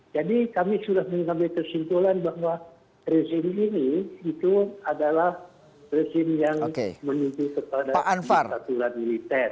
jadi kami sudah mengambil kesimpulan bahwa rezim ini itu adalah rezim yang menuntun kepada dikaturan militer